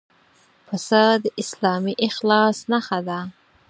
پسه د اسلامي اخلاص نښه ده.